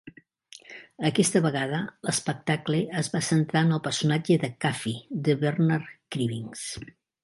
Aquesta vegada, l'espectacle es va centrar en el personatge de Cuffy, de Bernard Cribbins.